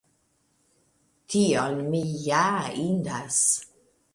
Tion mi ja indas.